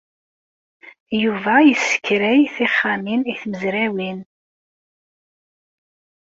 Yuba yessekray tixxamin i tmezrawin.